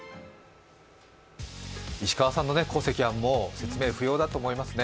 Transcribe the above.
石川さんの功績はもう説明不要だと思いますね。